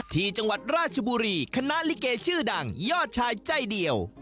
ที่จังหวัดราชบุรีคณะลิเกชื่อดังยอดชายใจเดียว